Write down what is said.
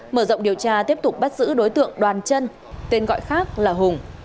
mở rộng điều tra tiếp tục bắt giữ đối tượng đoàn chân tên gọi khác là hùng